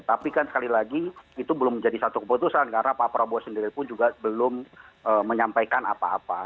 tapi kan sekali lagi itu belum menjadi satu keputusan karena pak prabowo sendiri pun juga belum menyampaikan apa apa